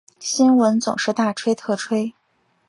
新闻总是大吹特吹